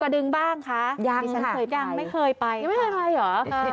กระดึงบ้างคะยังค่ะยังไม่เคยไปยังไม่เคยไปหรออ่า